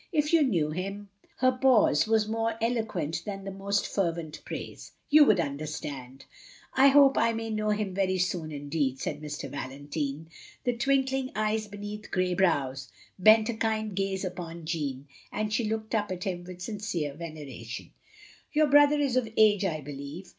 If you knew him —" her pause was more eloquent than the most fervent praise — "you would understand." " I hope I naay know him very soon indeed, " said Mr. Valentine. The twinkling eyes beneath grey brows bent a kind gaze upon Jeanne, and she looked up at him with sincere veneration. OF GROSVENOR SQUARE 67 "Your brother is of age, I believe?"